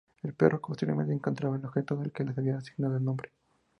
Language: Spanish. El perro posteriormente encontraba el objeto al que le habían asignado nombre.